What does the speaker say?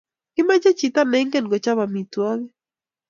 Kimache choto ne ingen kochap amitwakik